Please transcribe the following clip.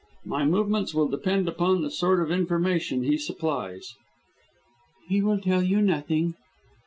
My movements will depend upon the sort of information he supplies." "He will tell you nothing."